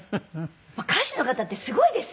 歌手の方ってすごいですね。